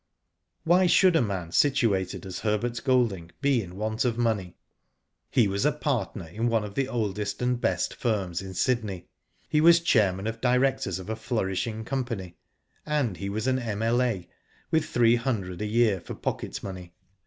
Why should a man situated as Herbert Golding was be in want of money? He was a partner in one of the oldest and best firms in Sydney. He was chairman of directors of a flourishing company, and he was an M.L.A. with three hundred a year for pocket money.